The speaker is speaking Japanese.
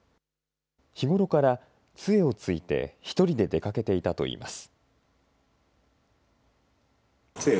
日頃からつえをついて１人で出かけていたといいます。